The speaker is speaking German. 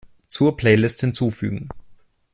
Zur Playlist hinzufügen.